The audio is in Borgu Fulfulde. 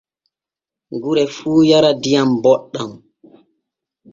Gure fuu yara diam boɗɗan.